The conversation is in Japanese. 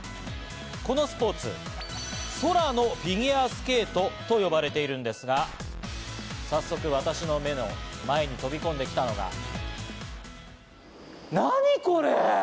このスポーツ、空のフィギュアスケートと呼ばれているんですが、早速、私の目の前に飛び込んできたのが。